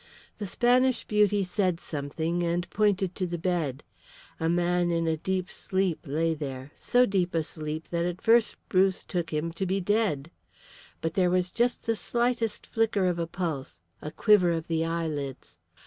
The Spanish beauty said something, and pointed to the bed. A man in a deep sleep lay there so deep a sleep that at first Bruce took him to be dead. But there was just the slightest flicker of a pulse, a quiver of the eyelids.